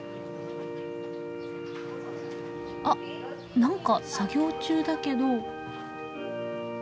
あっ何か作業中だけど。